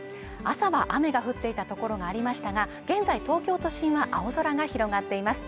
朝は雨が降っていたところがありましたが現在東京都心は青空が広がっています